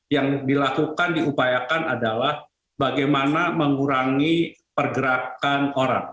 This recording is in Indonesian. yang dilakukan diupayakan adalah bagaimana mengurangi pergerakan orang